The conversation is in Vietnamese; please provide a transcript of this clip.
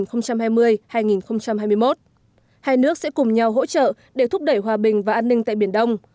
hai nước sẽ cùng nhau hỗ trợ để thúc đẩy hòa bình và an ninh tại biển đông